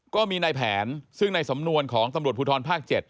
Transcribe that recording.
ก็มีในแผนซึ่งในสำนวนของตำรวจภูทรภาค๗